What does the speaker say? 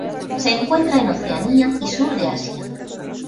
Se encuentra en Oceanía y Sur de Asia.